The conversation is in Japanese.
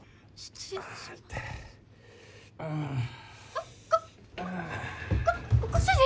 あっごご主人！